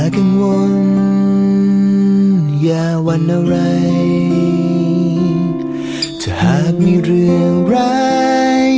ชมเป็นคริสต์ในหลังนี้